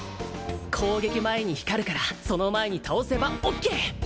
攻撃前に光るからその前に倒せばオッケー